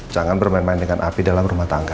jangan bermain main dengan api dalam rumah tangga